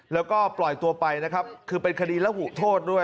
แล้วก็ปล่อยตัวไปนะครับคือเป็นคดีระหูโทษด้วย